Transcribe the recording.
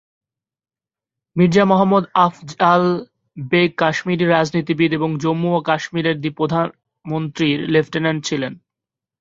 মির্জা মোহাম্মদ আফজাল বেগ কাশ্মীরি রাজনীতিবিদ এবং জম্মু ও কাশ্মিরের দ্য প্রধানমন্ত্রীর লেফটেন্যান্ট ছিলেন।